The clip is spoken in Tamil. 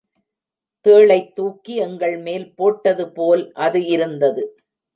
தேளைத் தூக்கி எங்கள் மேல் போட்டது போல் அது இருந்தது.